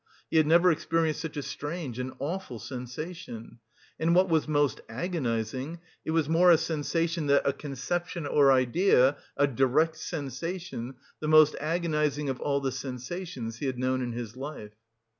He had never experienced such a strange and awful sensation. And what was most agonising it was more a sensation than a conception or idea, a direct sensation, the most agonising of all the sensations he had known in his life.